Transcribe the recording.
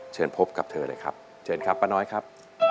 เชิญพบกับเธอเลยครับเชิญครับป้าน้อยครับ